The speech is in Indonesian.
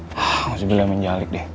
saya harus berdoa menjalik